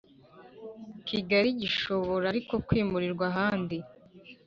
Kigali Gishobora ariko kwimurirwa ahandi